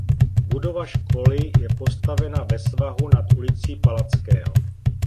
Budova školy je postavena ve svahu nad ulicí Palackého.